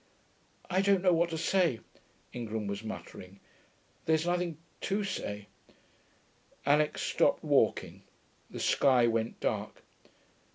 'I don't know what to say,' Ingram was muttering. 'There's nothing to say....' Alix stopped walking. The sky went dark.